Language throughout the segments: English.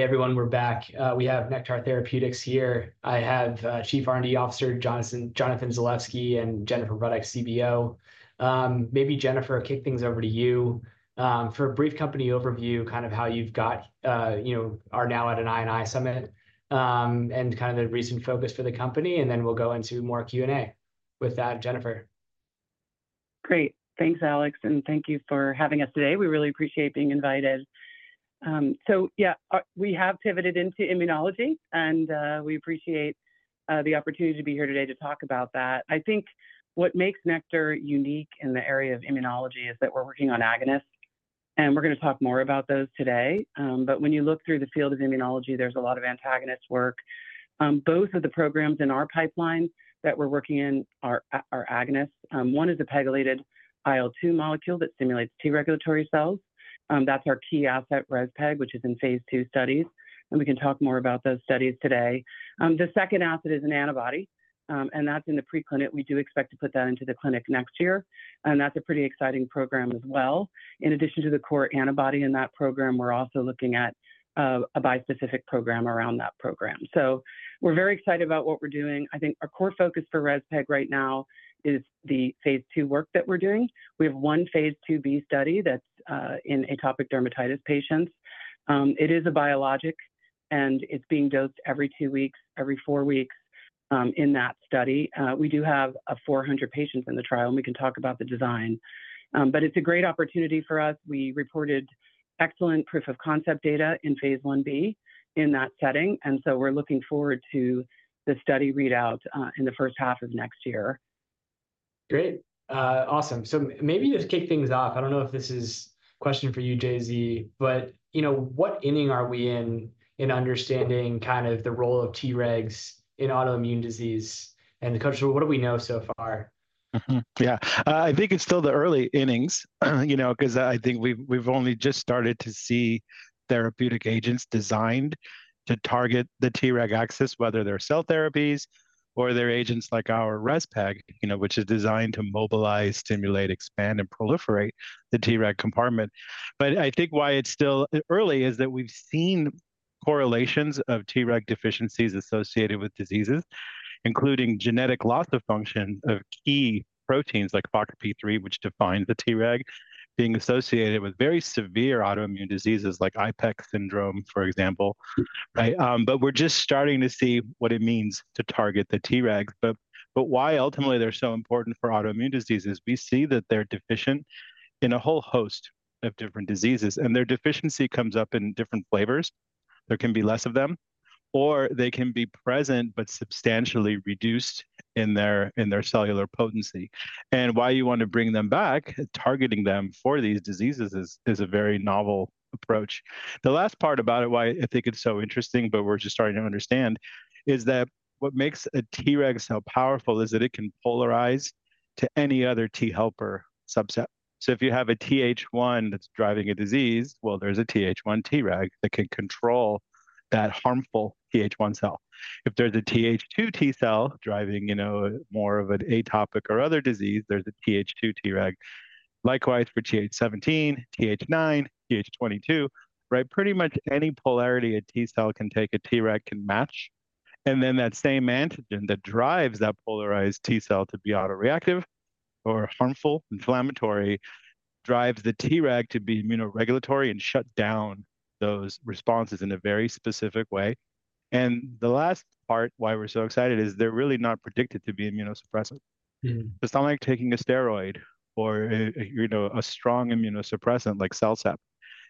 Hey, everyone, we're back. We have Nektar Therapeutics here. I have Chief R&D Officer Jonathan Zalevsky and Jennifer Ruddock, CBO. Maybe Jennifer, I'll kick things over to you for a brief company overview, kind of how you've got, you know, are now at an I&I summit, and kind of the recent focus for the company, and then we'll go into more Q&A. With that, Jennifer. Great. Thanks, Alex, and thank you for having us today. We really appreciate being invited. So yeah, we have pivoted into immunology, and we appreciate the opportunity to be here today to talk about that. I think what makes Nektar unique in the area of immunology is that we're working on agonists, and we're gonna talk more about those today. But when you look through the field of immunology, there's a lot of antagonist work. Both of the programs in our pipeline that we're working in are agonists. One is a pegylated IL-2 molecule that stimulates T-regulatory cells, that's our key asset, REZPEG, which is in phase II studies, and we can talk more about those studies today. The second asset is an antibody, and that's in the preclinical. We do expect to put that into the clinic next year, and that's a pretty exciting program as well. In addition to the core antibody in that program, we're also looking at a bispecific program around that program. So we're very excited about what we're doing. I think our core focus for REZPEG right now is the phase II work that we're doing. We have one phase IIb study that's in atopic dermatitis patients. It is a biologic, and it's being dosed every two weeks, every four weeks in that study. We do have 400 patients in the trial, and we can talk about the design, but it's a great opportunity for us. We reported excellent proof of concept data in phase Ib in that setting, and so we're looking forward to the study readout in the first half of next year. Great. Awesome. So maybe just kick things off, I don't know if this is a question for you, JZ, but, you know, what inning are we in understanding kind of the role of Tregs in autoimmune disease and the culture? What do we know so far? Mm-hmm. Yeah. I think it's still the early innings, you know, 'cause I think we've only just started to see therapeutic agents designed to target the Treg axis, whether they're cell therapies or they're agents like our REZPEG, you know, which is designed to mobilize, stimulate, expand, and proliferate the Treg compartment. But I think why it's still early is that we've seen correlations of Treg deficiencies associated with diseases, including genetic loss of function of key proteins like FOXP3, which defines the Treg, being associated with very severe autoimmune diseases, like IPEX syndrome, for example, right? But we're just starting to see what it means to target the Tregs. But why ultimately they're so important for autoimmune diseases, we see that they're deficient in a whole host of different diseases, and their deficiency comes up in different flavors. There can be less of them, or they can be present but substantially reduced in their cellular potency. And why you want to bring them back, targeting them for these diseases is a very novel approach. The last part about it, why I think it's so interesting, but we're just starting to understand, is that what makes a Treg so powerful is that it can polarize to any other T helper subset. So if you have a Th1 that's driving a disease, well, there's a Th1 Treg that can control that harmful Th1 cell. If there's a Th2 T cell driving, you know, more of an atopic or other disease, there's a Th2 Treg. Likewise, for Th17, Th9, Th22, right? Pretty much any polarity a T cell can take, a Treg can match, and then that same antigen that drives that polarized T cell to be autoreactive or harmful, inflammatory, drives the Treg to be immunoregulatory and shut down those responses in a very specific way. And the last part, why we're so excited, is they're really not predicted to be immunosuppressant. Mm-hmm. It's not like taking a steroid or a, you know, a strong immunosuppressant like CellCept.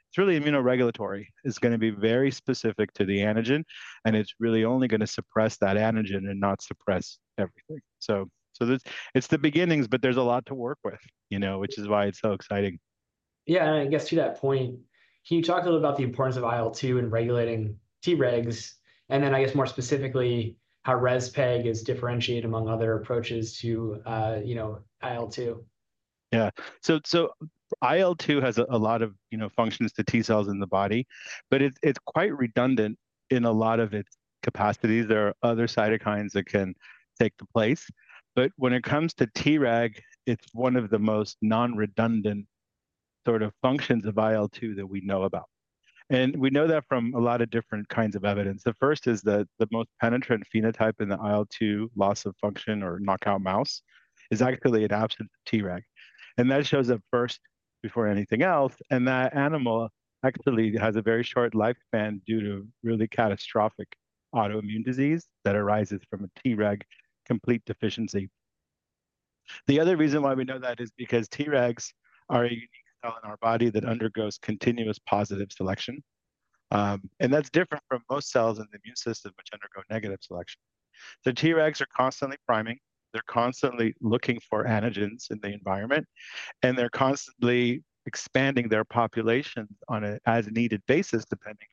It's really immunoregulatory. It's gonna be very specific to the antigen, and it's really only gonna suppress that antigen and not suppress everything. So, there's. It's the beginnings, but there's a lot to work with, you know, which is why it's so exciting. Yeah, and I guess to that point, can you talk a little about the importance of IL-2 in regulating Tregs? And then, I guess, more specifically, how REZPEG is differentiated among other approaches to, you know, IL-2. Yeah. So IL-2 has a lot of, you know, functions to T cells in the body, but it's quite redundant in a lot of its capacities. There are other cytokines that can take the place, but when it comes to Treg, it's one of the most non-redundant sort of functions of IL-2 that we know about, and we know that from a lot of different kinds of evidence. The first is that the most penetrant phenotype in the IL-2 loss of function or knockout mouse is actually an absent Treg, and that shows up first before anything else, and that animal actually has a very short lifespan due to really catastrophic autoimmune disease that arises from a Treg complete deficiency. The other reason why we know that is because Tregs are a unique cell in our body that undergoes continuous positive selection, and that's different from most cells in the immune system which undergo negative selection. The Tregs are constantly priming, they're constantly looking for antigens in the environment, and they're constantly expanding their population on an as-needed basis, depending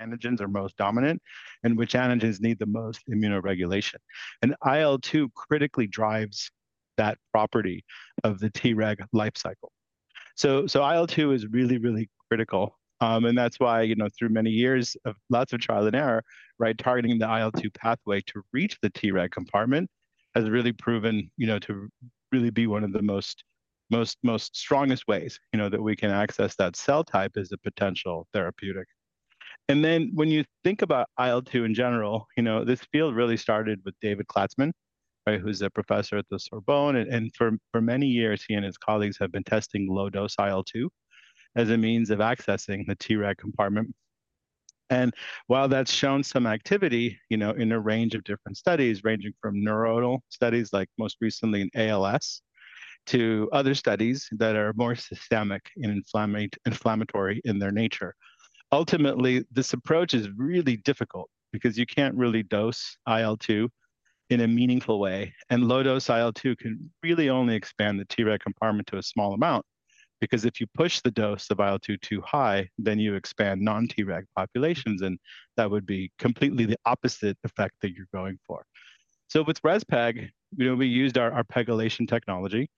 on which antigens are most dominant and which antigens need the most immunoregulation, and IL-2 critically drives that property of the Treg life cycle. So IL-2 is really, really critical. And that's why, you know, through many years of lots of trial and error, right, targeting the IL-2 pathway to reach the Treg compartment has really proven, you know, to really be one of the most strongest ways, you know, that we can access that cell type as a potential therapeutic. Then when you think about IL-2 in general, you know, this field really started with David Klatzmann, right, who's a professor at the Sorbonne, and for many years, he and his colleagues have been testing low-dose IL-2 as a means of accessing the Treg compartment. While that's shown some activity, you know, in a range of different studies, ranging from neuronal studies, like most recently in ALS, to other studies that are more systemic and inflammatory in their nature, ultimately, this approach is really difficult because you can't really dose IL-2 in a meaningful way, and low-dose IL-2 can really only expand the Treg compartment to a small amount, because if you push the dose of IL-2 too high, then you expand non-Treg populations, and that would be completely the opposite effect that you're going for. So with REZPEG, you know, we used our pegylation technology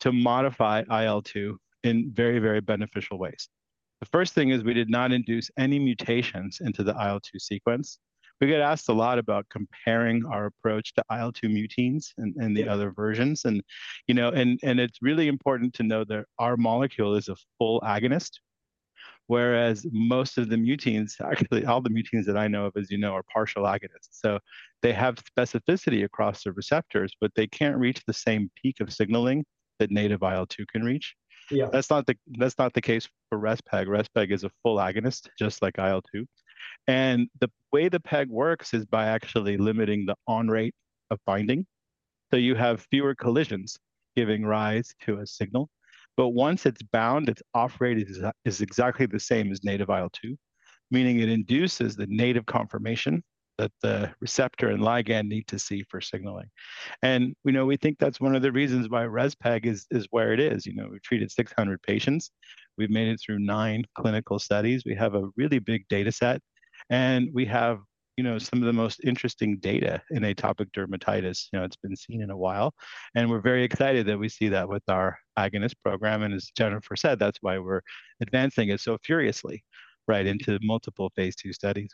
to modify IL-2 in very, very beneficial ways. The first thing is we did not induce any mutations into the IL-2 sequence. We get asked a lot about comparing our approach to IL-2 muteins and the other versions. And, you know, it's really important to know that our molecule is a full agonist, whereas most of the muteins, actually, all the muteins that I know of, as you know, are partial agonists. So they have specificity across the receptors, but they can't reach the same peak of signaling that native IL-2 can reach. Yeah. That's not the case for REZPEG. REZPEG is a full agonist, just like IL-2, and the way the peg works is by actually limiting the on rate of binding, so you have fewer collisions giving rise to a signal. But once it's bound, its off rate is exactly the same as native IL-2, meaning it induces the native conformation that the receptor and ligand need to see for signaling. And we know, we think that's one of the reasons why REZPEG is where it is. You know, we've treated 600 patients, we've made it through nine clinical studies, we have a really big data set, and we have, you know, some of the most interesting data in atopic dermatitis, you know, it's been seen in a while, and we're very excited that we see that with our agonist program. As Jennifer said, that's why we're advancing it so furiously, right, into multiple phase II studies.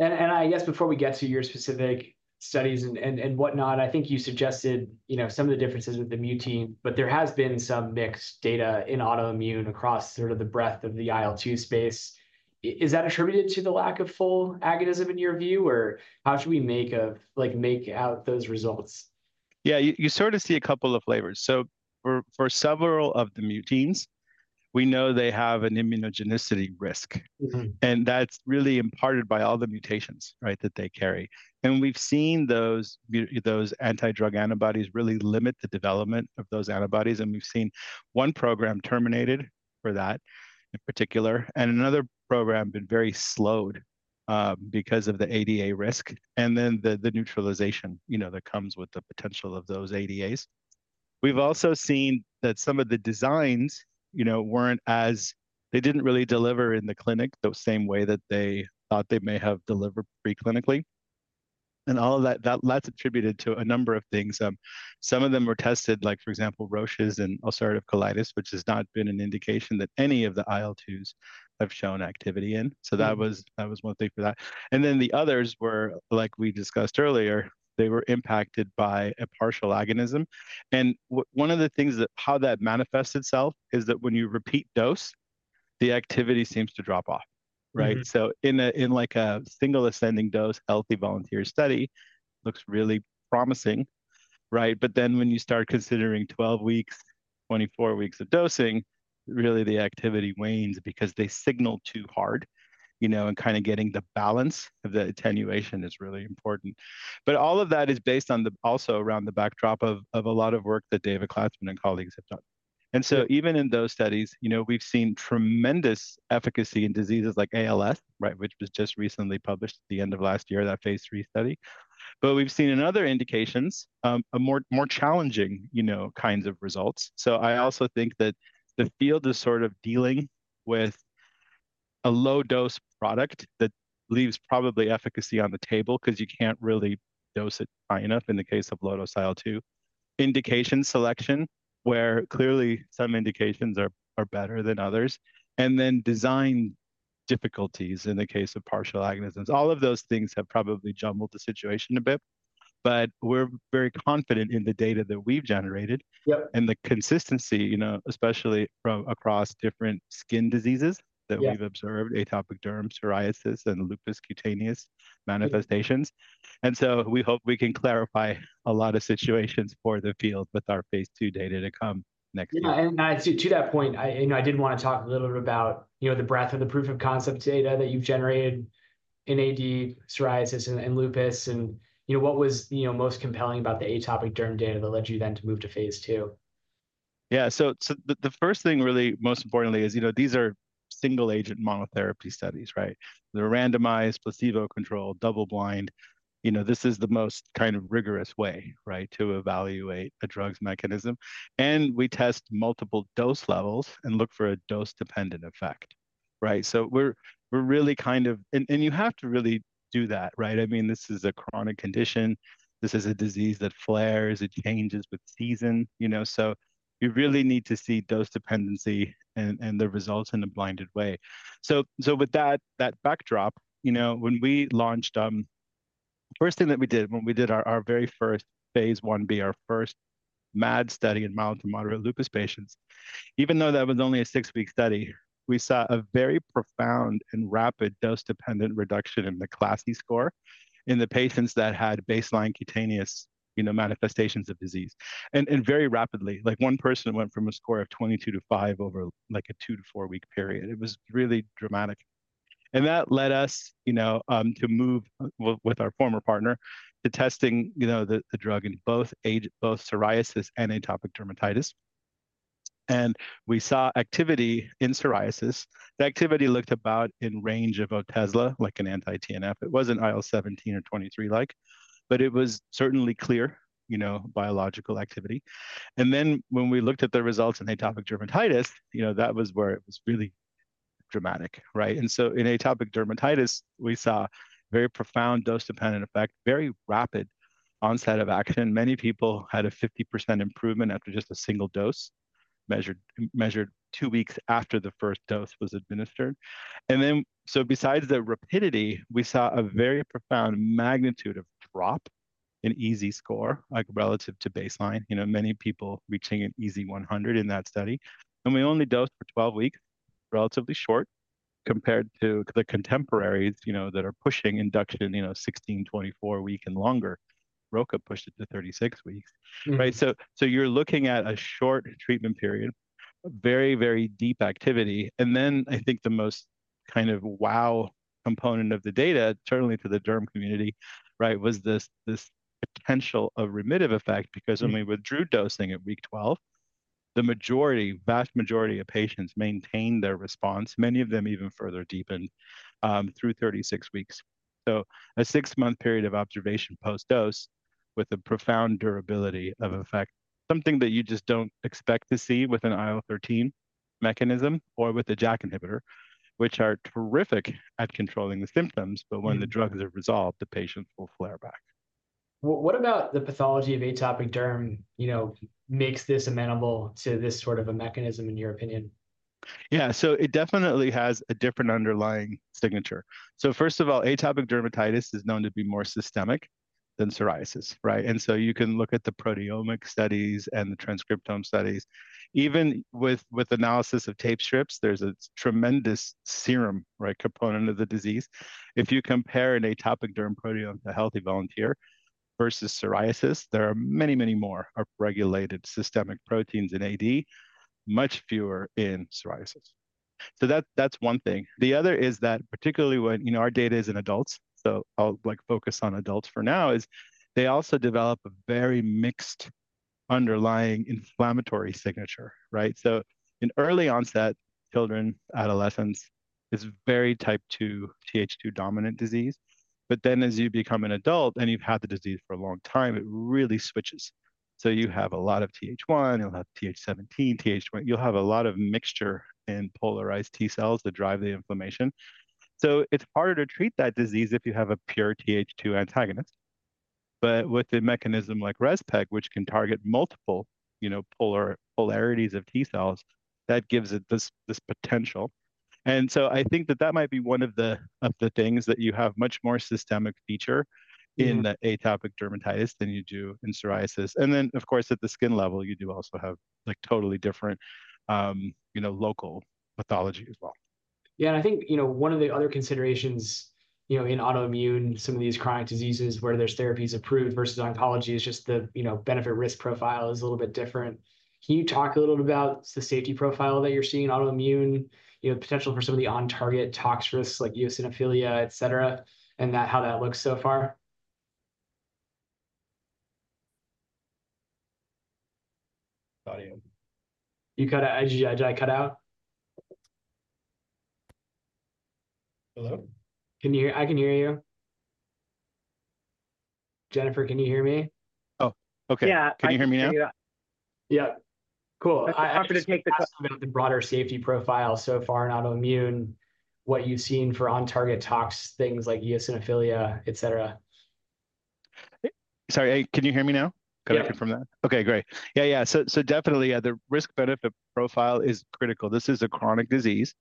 I guess before we get to your specific studies and whatnot, I think you suggested, you know, some of the differences with the mutein, but there has been some mixed data in autoimmune across sort of the breadth of the IL-2 space. Is that attributed to the lack of full agonism in your view, or how should we, like, make out those results? Yeah, you sort of see a couple of flavors. So for several of the muteins, we know they have an immunogenicity risk- Mm-hmm... and that's really imparted by all the mutations, right, that they carry. And we've seen those those anti-drug antibodies really limit the development of those antibodies, and we've seen one program terminated for that in particular, and another program been very slowed, because of the ADA risk, and then the neutralization, you know, that comes with the potential of those ADAs. We've also seen that some of the designs, you know, weren't as. They didn't really deliver in the clinic the same way that they thought they may have delivered pre-clinically, and all of that, that's attributed to a number of things. Some of them were tested, like, for example, Roche's in ulcerative colitis, which has not been an indication that any of the IL-2s have shown activity in. Mm-hmm. So that was, that was one thing for that. And then the others were, like we discussed earlier, they were impacted by a partial agonism. And one of the things that, how that manifests itself is that when you repeat dose, the activity seems to drop off, right? Mm-hmm. So in, like, a single ascending dose healthy volunteer study looks really promising, right? But then when you start considering 12 weeks, 24 weeks of dosing, really the activity wanes because they signal too hard, you know, and kind of getting the balance of the attenuation is really important. But all of that is based on also around the backdrop of a lot of work that David Klatzmann and colleagues have done. And so even in those studies, you know, we've seen tremendous efficacy in diseases like ALS, right, which was just recently published at the end of last year, that phase III study. But we've seen in other indications a more challenging, you know, kinds of results. So I also think that the field is sort of dealing with a low-dose product that leaves probably efficacy on the table, 'cause you can't really dose it high enough in the case of low-dose IL-2 indication selection, where clearly some indications are better than others, and then design difficulties in the case of partial agonists. All of those things have probably jumbled the situation a bit, but we're very confident in the data that we've generated. Yep... and the consistency, you know, especially from across different skin diseases- Yep ... that we've observed, atopic derm, psoriasis, and lupus cutaneous manifestations, and so we hope we can clarify a lot of situations for the field with our phase II data to come next year. To that point, you know, I did want to talk a little bit about, you know, the breadth of the proof-of-concept data that you've generated in AD, psoriasis, and lupus, and, you know, what was, you know, most compelling about the atopic dermatitis data that led you then to move to phase II? Yeah. So the first thing, really, most importantly, is, you know, these are single-agent monotherapy studies, right? They're randomized, placebo-controlled, double-blind. You know, this is the most kind of rigorous way, right, to evaluate a drug's mechanism, and we test multiple dose levels and look for a dose-dependent effect, right? So we're really kind of... And you have to really do that, right? I mean, this is a chronic condition. This is a disease that flares, it changes with season, you know, so you really need to see dose dependency and the results in a blinded way. So with that backdrop, you know, when we launched, the-... The first thing that we did when we did our very first phase Ib, our first MAD study in mild to moderate lupus patients, even though that was only a six-week study, we saw a very profound and rapid dose-dependent reduction in the CLASI score in the patients that had baseline cutaneous, you know, manifestations of disease. And very rapidly, like one person went from a score of 22 to five over like a two- to four-week period. It was really dramatic. And that led us, you know, to move with our former partner to testing, you know, the drug in both psoriasis and atopic dermatitis. And we saw activity in psoriasis. The activity looked about in range of Otezla, like an anti-TNF. It wasn't IL-17 or 23 like, but it was certainly clear, you know, biological activity. Then when we looked at the results in atopic dermatitis, you know, that was where it was really dramatic, right? So in atopic dermatitis, we saw very profound dose-dependent effect, very rapid onset of action. Many people had a 50% improvement after just a single dose, measured two weeks after the first dose was administered. Then, besides the rapidity, we saw a very profound magnitude of drop in EASI score, like relative to baseline. You know, many people reaching an EASI 100 in that study. We only dosed for 12 weeks, relatively short compared to the contemporaries, you know, that are pushing induction, you know, 16-, 24-week and longer. Roche pushed it to 36 weeks. Mm-hmm. Right? So you're looking at a short treatment period, very, very deep activity. And then I think the most kind of wow component of the data, certainly to the derm community, right, was this potential of remittive effect. Mm-hmm. Because when we withdrew dosing at week 12, the majority, vast majority of patients maintained their response, many of them even further deepened through 36 weeks. So a six-month period of observation post-dose with a profound durability of effect, something that you just don't expect to see with an IL-13 mechanism or with a JAK inhibitor, which are terrific at controlling the symptoms. But when the drugs are resolved, the patients will flare back. What about the pathology of atopic derm, you know, makes this amenable to this sort of a mechanism, in your opinion? Yeah, so it definitely has a different underlying signature. So first of all, atopic dermatitis is known to be more systemic than psoriasis, right? Mm-hmm. So you can look at the proteomic studies and the transcriptome studies. Even with analysis of tape strips, there's a tremendous systemic, right, component of the disease. If you compare an atopic derm proteome to a healthy volunteer versus psoriasis, there are many, many more upregulated systemic proteins in AD, much fewer in psoriasis. So that- that's one thing. The other is that particularly when, you know, our data is in adults, so I'll, like, focus on adults for now, is they also develop a very mixed underlying inflammatory signature, right? So in early-onset children, adolescents, it's very type two, Th2-dominant disease. But then as you become an adult and you've had the disease for a long time, it really switches. So you have a lot of Th1, you'll have Th17, Th1. You'll have a lot of mixture in polarized T cells that drive the inflammation. So it's harder to treat that disease if you have a pure Th2 antagonist. But with a mechanism like REZPEG, which can target multiple, you know, polarities of T cells, that gives it this, this potential. And so I think that that might be one of the, of the things, that you have much more systemic feature- Mm-hmm... in the atopic dermatitis than you do in psoriasis. And then, of course, at the skin level, you do also have, like, totally different, you know, local pathology as well. Yeah, and I think, you know, one of the other considerations, you know, in autoimmune, some of these chronic diseases where there's therapies approved versus oncology, is just the, you know, benefit-risk profile is a little bit different. Can you talk a little about the safety profile that you're seeing in autoimmune, you know, potential for some of the on-target tox risks like eosinophilia, et cetera, and that, how that looks so far? Audio. You cut out. Did I cut out? Hello? Can you hear? I can hear you. Jennifer, can you hear me? Oh, okay. Yeah. Can you hear me now? Yeah. Yeah. Cool. Happy to take the- The broader safety profile so far in autoimmune, what you've seen for on-target tox, things like eosinophilia, et cetera. Sorry, hey, can you hear me now? Yeah... correction from that? Okay, great. Yeah, yeah, so, so definitely, the risk-benefit profile is critical. This is a chronic disease,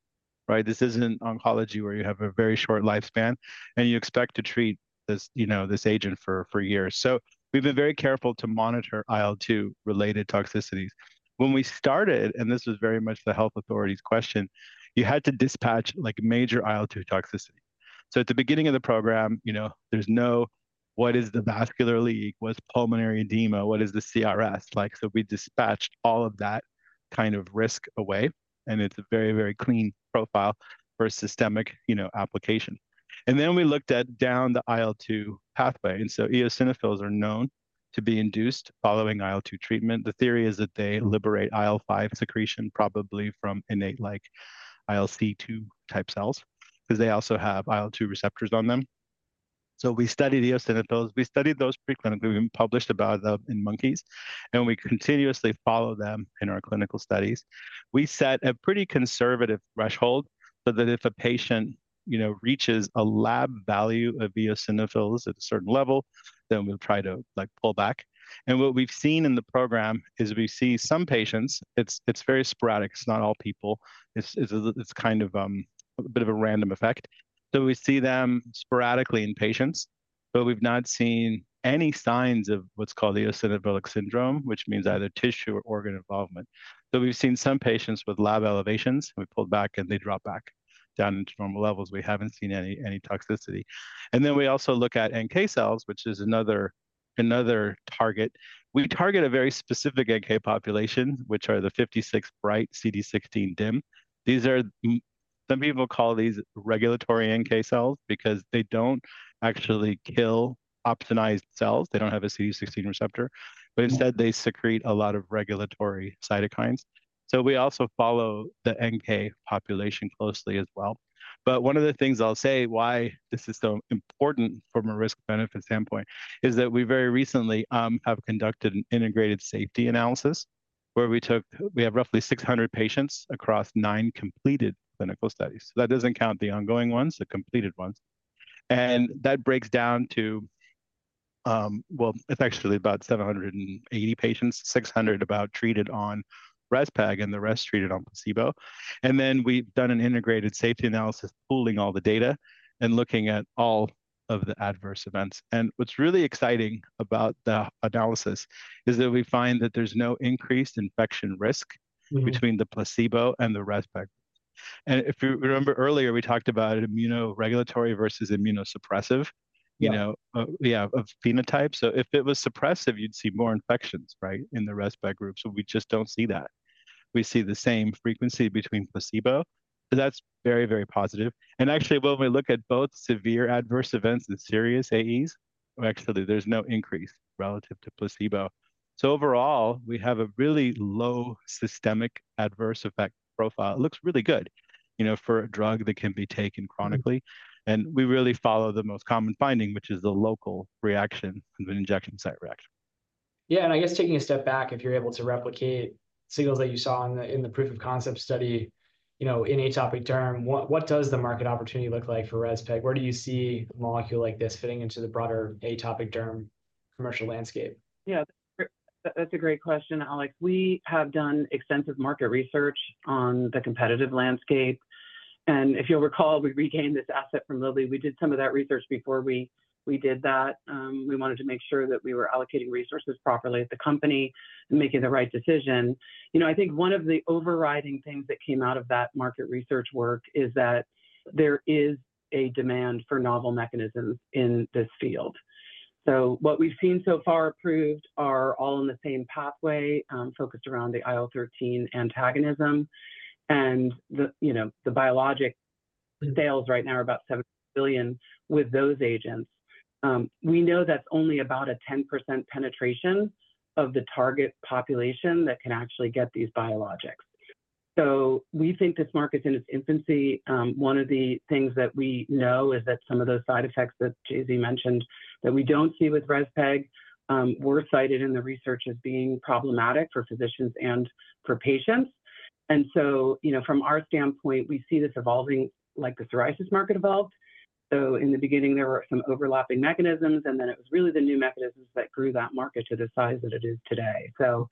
right? This isn't oncology, where you have a very short lifespan, and you expect to treat this, you know, this agent for, for years. So we've been very careful to monitor IL-2-related toxicities. When we started, and this was very much the health authorities' question, you had to dispatch, like, major IL-2 toxicity. So at the beginning of the program, you know, there's no what is the vascular leak? What's pulmonary edema? What is the CRS like? So we dispatched all of that kind of risk away, and it's a very, very clean profile for a systemic, you know, application. And then we looked at down the IL-2 pathway, and so eosinophils are known to be induced following IL-2 treatment. The theory is that they liberate IL-5 secretion, probably from innate like ILC2 type cells, 'cause they also have IL-2 receptors on them. So we studied eosinophils. We studied those preclinically. We published about them in monkeys, and we continuously follow them in our clinical studies. We set a pretty conservative threshold so that if a patient, you know, reaches a lab value of eosinophils at a certain level... then we'll try to, like, pull back. And what we've seen in the program is we see some patients; it's very sporadic, it's not all people. It's kind of a bit of a random effect. So we see them sporadically in patients, but we've not seen any signs of what's called the eosinophilic syndrome, which means either tissue or organ involvement. Though we've seen some patients with lab elevations, we pulled back, and they dropped back down into normal levels. We haven't seen any toxicity. And then we also look at NK cells, which is another target. We target a very specific NK population, which are the CD56 bright CD16 dim. These are some people call these regulatory NK cells because they don't actually kill opsonized cells. They don't have a CD16 receptor, but instead, they secrete a lot of regulatory cytokines. So we also follow the NK population closely as well. But one of the things I'll say why this is so important from a risk-benefit standpoint is that we very recently have conducted an integrated safety analysis, where we took. We have roughly 600 patients across nine completed clinical studies. So that doesn't count the ongoing ones, the completed ones. That breaks down to, well, it's actually about 780 patients, about 600 treated on REZPEG, and the rest treated on placebo. Then we've done an integrated safety analysis, pooling all the data and looking at all of the adverse events. What's really exciting about the analysis is that we find that there's no increased infection risk. Mm-hmm... between the placebo and the REZPEG. And if you remember earlier, we talked about immunoregulatory versus immunosuppressive- Yeah... you know, yeah, of phenotype. So if it was suppressive, you'd see more infections, right, in the REZPEG group. So we just don't see that. We see the same frequency between placebo, so that's very, very positive. And actually, when we look at both severe adverse events and serious AEs, actually, there's no increase relative to placebo. So overall, we have a really low systemic adverse effect profile. It looks really good, you know, for a drug that can be taken chronically. Mm-hmm. We really follow the most common finding, which is the local reaction and the injection site reaction. Yeah, and I guess taking a step back, if you're able to replicate signals that you saw in the proof of concept study, you know, in atopic derm, what does the market opportunity look like for REZPEG? Where do you see a molecule like this fitting into the broader atopic derm commercial landscape? Yeah, that's a great question, Alex. We have done extensive market research on the competitive landscape, and if you'll recall, we regained this asset from Lilly. We did some of that research before we did that. We wanted to make sure that we were allocating resources properly at the company and making the right decision. You know, I think one of the overriding things that came out of that market research work is that there is a demand for novel mechanisms in this field. So what we've seen so far approved are all in the same pathway, focused around the IL-13 antagonism. And, you know, the biologic sales right now are about $7 billion with those agents. We know that's only about a 10% penetration of the target population that can actually get these biologics. So we think this market's in its infancy. One of the things that we know is that some of those side effects that JZ mentioned, that we don't see with REZPEG, were cited in the research as being problematic for physicians and for patients, and so, you know, from our standpoint, we see this evolving, like the psoriasis market evolved, so in the beginning, there were some overlapping mechanisms, and then it was really the new mechanisms that grew that market to the size that it is today, so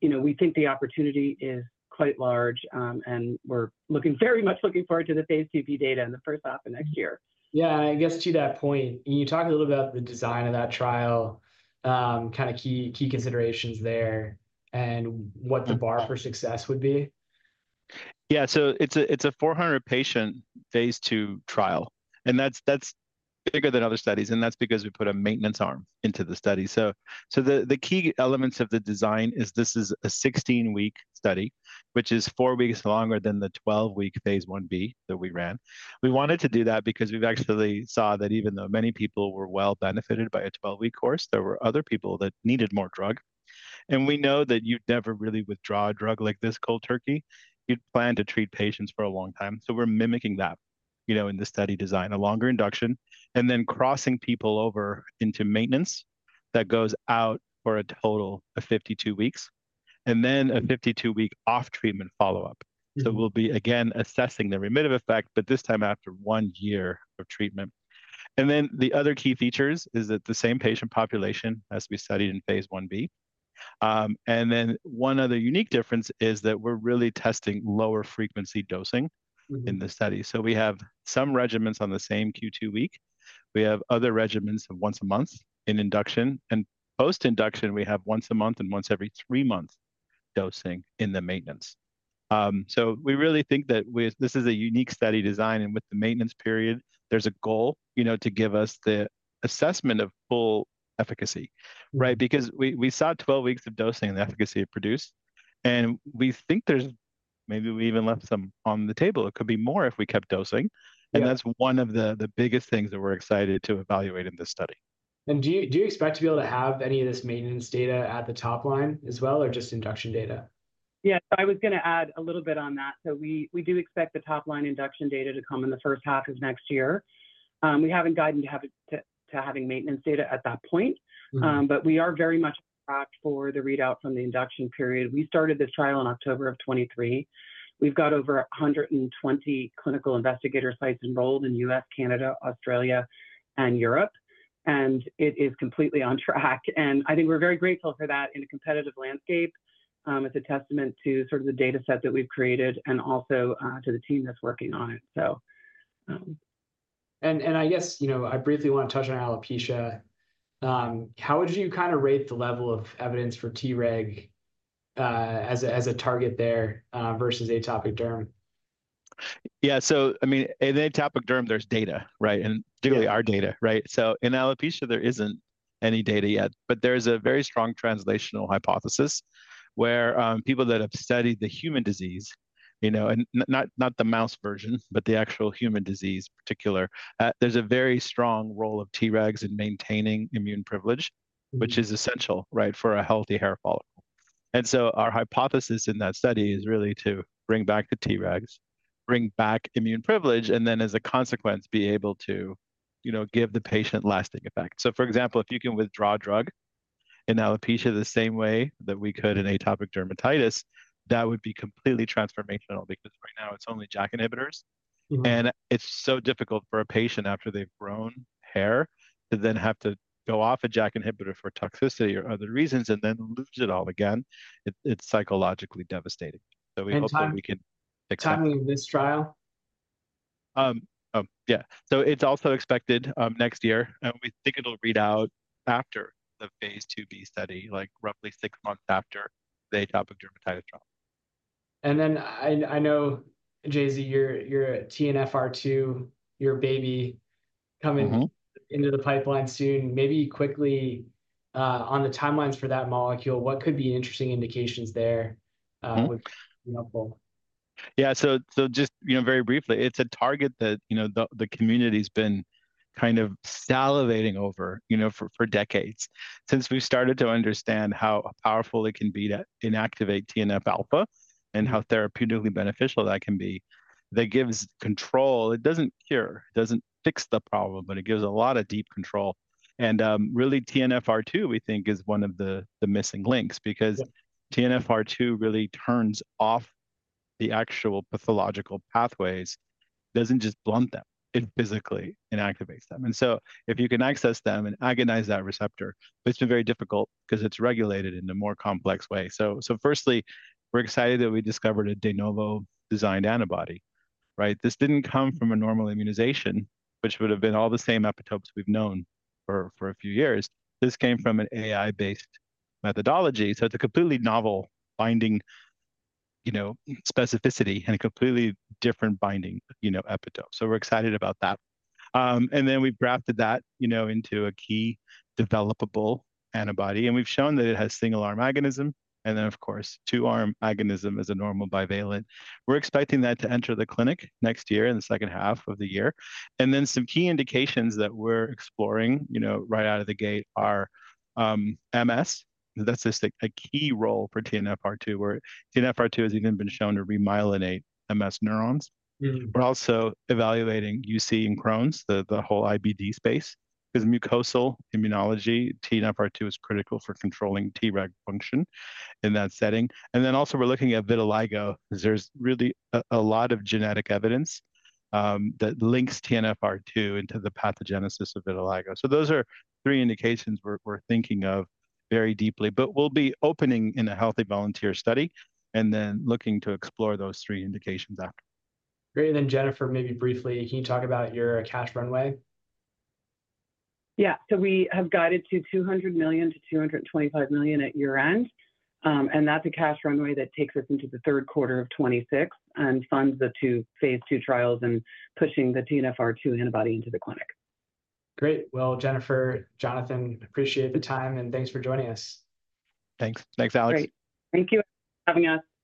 you know, we think the opportunity is quite large, and we're very much looking forward to the phase IIb data in the first half of next year. Yeah, I guess to that point, can you talk a little about the design of that trial, kind of key considerations there, and what the bar for success would be? Yeah. So it's a 400-patient phase II trial, and that's bigger than other studies, and that's because we put a maintenance arm into the study. So the key elements of the design is this is a 16-week study, which is four weeks longer than the 12-week phase Ib that we ran. We wanted to do that because we've actually saw that even though many people were well benefited by a 12-week course, there were other people that needed more drug. And we know that you'd never really withdraw a drug like this cold turkey. You'd plan to treat patients for a long time. So we're mimicking that, you know, in the study design, a longer induction, and then crossing people over into maintenance that goes out for a total of 52 weeks, and then a 52-week off treatment follow-up. Mm. So we'll be, again, assessing the remittive effect, but this time after one year of treatment. And then the other key features is that the same patient population as we studied in phase Ib. And then one other unique difference is that we're really testing lower frequency dosing- Mm ...in the study. So we have some regimens on the same Q2 week. We have other regimens of once a month in induction, and post-induction, we have once a month and once every three month dosing in the maintenance. So we really think that with, this is a unique study design, and with the maintenance period, there's a goal, you know, to give us the assessment of full efficacy, right? Because we saw 12 weeks of dosing and the efficacy it produced, and we think there's, maybe we even left some on the table. It could be more if we kept dosing. Yeah. That's one of the biggest things that we're excited to evaluate in this study. Do you expect to be able to have any of this maintenance data at the top line as well, or just induction data?... Yeah, I was gonna add a little bit on that. So we do expect the top line induction data to come in the first half of next year. We haven't guided to having maintenance data at that point. Mm-hmm. But we are very much on track for the readout from the induction period. We started this trial in October of 2023. We've got over 120 clinical investigator sites enrolled in U.S., Canada, Australia, and Europe, and it is completely on track. And I think we're very grateful for that in a competitive landscape. It's a testament to sort of the data set that we've created and also to the team that's working on it. I guess, you know, I briefly wanna touch on alopecia. How would you kind of rate the level of evidence for T reg as a target there versus atopic derm? Yeah. So I mean, in atopic derm, there's data, right? Yeah. And particularly our data, right? So in alopecia, there isn't any data yet, but there's a very strong translational hypothesis where people that have studied the human disease, you know, and not the mouse version, but the actual human disease, particularly, there's a very strong role of Tregs in maintaining immune privilege. Mm-hmm... which is essential, right, for a healthy hair follicle, and so our hypothesis in that study is really to bring back the Tregs, bring back immune privilege, and then, as a consequence, be able to, you know, give the patient lasting effect, so for example, if you can withdraw a drug in alopecia the same way that we could in atopic dermatitis, that would be completely transformational, because right now it's only JAK inhibitors. Mm-hmm. And it's so difficult for a patient after they've grown hair to then have to go off a JAK inhibitor for toxicity or other reasons, and then lose it all again. It, it's psychologically devastating. So we hope that we can- And timing- Expect- Timing of this trial? Yeah, it's also expected next year, and we think it'll read out after the phase IIb study, like roughly six months after the atopic dermatitis trial. And then I know, JZ, your TNFR2, your baby, coming- Mm-hmm... into the pipeline soon. Maybe quickly, on the timelines for that molecule, what could be interesting indications there? Mm-hmm... would be helpful? Yeah, so just, you know, very briefly, it's a target that, you know, the community's been kind of salivating over, you know, for decades, since we've started to understand how powerful it can be to inactivate TNF-alpha and how therapeutically beneficial that can be. That gives control. It doesn't cure, it doesn't fix the problem, but it gives a lot of deep control. And really, TNFR2, we think is one of the missing links, because TNFR2 really turns off the actual pathological pathways, doesn't just blunt them. It physically inactivates them. And so if you can access them and agonize that receptor, but it's been very difficult 'cause it's regulated in a more complex way. So firstly, we're excited that we discovered a de novo designed antibody, right? This didn't come from a normal immunization, which would've been all the same epitopes we've known for a few years. This came from an AI-based methodology, so it's a completely novel finding, you know, specificity and a completely different binding, you know, epitope. So we're excited about that. And then we've grafted that, you know, into a key developable antibody, and we've shown that it has single-arm agonism, and then, of course, two-arm agonism as a normal bivalent. We're expecting that to enter the clinic next year, in the second half of the year. And then some key indications that we're exploring, you know, right out of the gate are MS. That's just a key role for TNFR2, where TNFR2 has even been shown to remyelinate MS neurons. Mm-hmm. We're also evaluating UC and Crohn's, the whole IBD space, 'cause mucosal immunology TNFR2 is critical for controlling Treg function in that setting. And then also we're looking at vitiligo, 'cause there's really a lot of genetic evidence that links TNFR2 into the pathogenesis of vitiligo. So those are three indications we're thinking of very deeply. But we'll be opening in a healthy volunteer study and then looking to explore those three indications after. Great, and then, Jennifer, maybe briefly, can you talk about your cash runway? Yeah. So we have guided to $200 million-$225 million at year-end, and that's a cash runway that takes us into the third quarter of 2026, and funds the two phase II trials and pushing the TNFR2 antibody into the clinic. Great! Jennifer, Jonathan, appreciate the time, and thanks for joining us. Thanks. Thanks, Alex. Great. Thank you for having us.